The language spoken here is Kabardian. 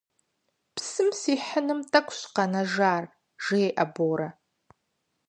Псым сихьыным тӏэкӏущ къэнэжар, - жеӏэ Борэ.